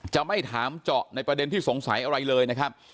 จะไม่ถามเจาะในประเด็นที่สงสัยอะไรเลยนะครับ